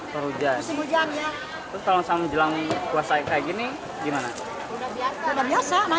terus kalau sama jelang kuasa kayak gini gimana